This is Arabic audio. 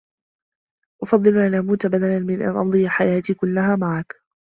أفضّل أن أموت بدلا من أن أمضي حياتي كلّها معك.